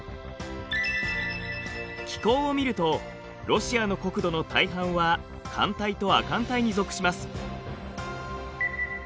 気候を見るとロシアの国土の大半は寒帯と亜寒帯に属します。